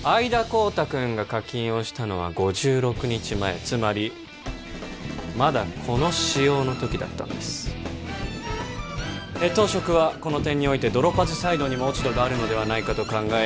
孝多君が課金をしたのは５６日前つまりまだこの仕様の時だったんです当職はこの点においてドロパズサイドにも落ち度があるのではないかと考え